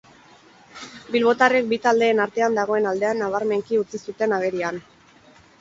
Bilbotarrek bi taldeen artean dagoen aldea nabarmenki utzi zuten agerian.